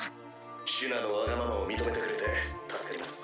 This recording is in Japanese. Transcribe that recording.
シュナのわがままを認めてくれて助かります。